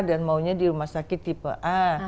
dan maunya di rumah sakit tipe a